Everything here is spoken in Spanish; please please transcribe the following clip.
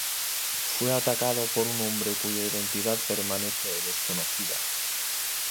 Fue atacada por un hombre cuya identidad permanece desconocida.